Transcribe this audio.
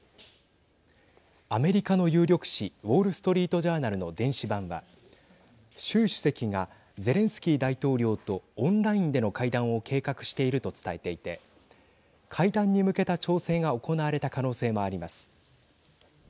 アメリカの有力紙ウォール・ストリート・ジャーナルの電子版は習主席が、ゼレンスキー大統領とオンラインでの会談を計画していると伝えていて会談に向けた調整が行われた可能性もあります。